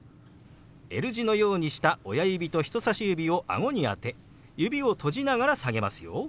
Ｌ字のようにした親指と人さし指をあごに当て指を閉じながら下げますよ。